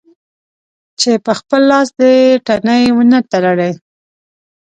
چې په خپل لاس دې تڼۍ و نه تړلې.